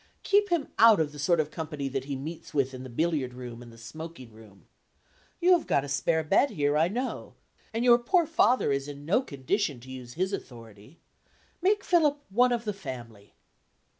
Keep him out of the sort of company that he meets with in the billiard room and the smoking room. You have got a spare bed here, I know, and your poor father is in no condition to use his authority. Make Philip one of the family."